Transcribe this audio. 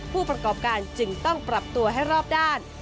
ผู้ประกอบการจึงต้องปรับตัวให้รอบด้าน